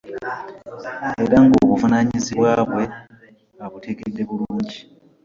Era ng'obuvunaanyizibwa bwe abutegedde bulungi.